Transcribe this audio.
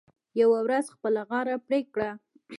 یوه ورځ خپله غاړه پرې کړه .